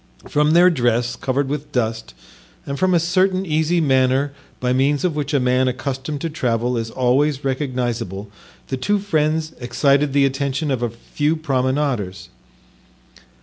From their dress, covered with dust, and from a certain easy manner by means of which a man accustomed to travel is always recognizable, the two friends excited the attention of a few promenaders.